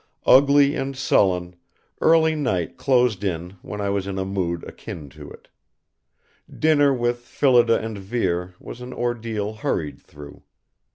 Ugly and sullen, early night closed in when I was in a mood akin to it. Dinner with Phillida and Vere was an ordeal hurried through.